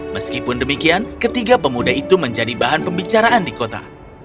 meskipun demikian ketiga pemuda itu menjadi bahan pembicaraan di kota